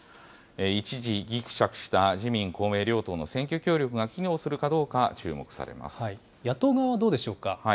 一時、ぎくしゃくした自民、公明両党の選挙協力が機能するかどう野党側はどうでしょうか。